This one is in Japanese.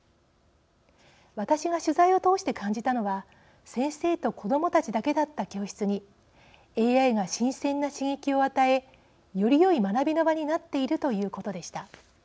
私が取材を通して感じたのは先生と子どもたちだけだった教室にＡＩが新鮮な刺激を与えよりよい学びの場になっているということでした。